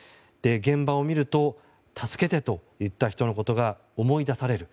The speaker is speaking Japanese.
現場を見ると助けてと言った人のことが思い出される。